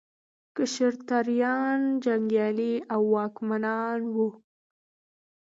کشتریان جنګیالي او واکمنان وو.